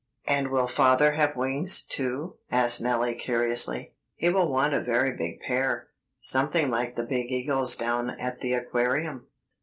"And will father have wings, too?" asked Nellie curiously. "He will want a very big pair, something like the big eagle's down at the aquarium."